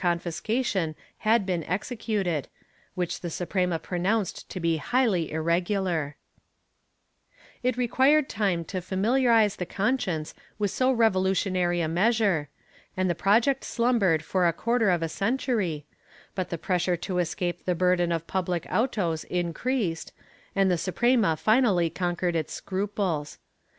224 ^^^^^^^^^^^ [Book VII confiscation had been executed — which the Suprema pronounced to be highly irregular/ It required time to familiarise the conscience with so revolu tionary a measure, and the project slumbered for a quarter of a century, but the pressure to escape the burden of public autos increased, and the Suprema finally conquered its scruples.